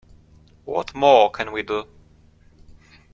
What more can we do?